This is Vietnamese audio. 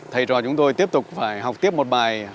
thầy trò chúng tôi tiếp tục phải học tiếp một bài